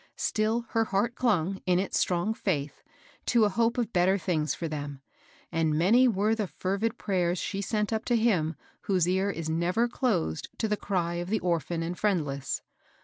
Still her heart clung, in its strong faith, to a hope of better things for them, and many were the fervid prayers she sent up to Him whose ear is never closed to the cry of the orphan and friendless.